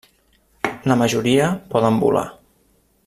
La majoria poden volar.